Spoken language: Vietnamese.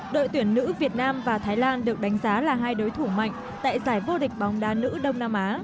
đội tuyển nữ việt nam và thái lan được đánh giá là hai đối thủ mạnh tại giải vô địch bóng đá nữ đông nam á